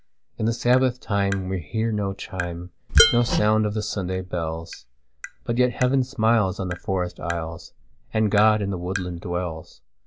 In the Sabbath time we hear no chime, No sound of the Sunday bells; But yet Heaven smiles on the forest aisles, And God in the woodland dwells.